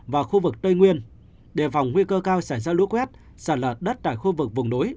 và khu vực tây nguyên đề phòng nguy cơ cao sản ra lũ quét sản lợt đất tại khu vực vùng nối